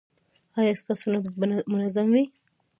ایا ستاسو نبض به منظم وي؟